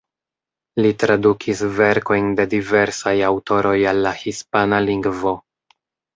Li tradukis verkojn de diversaj aŭtoroj al la hispana lingvo.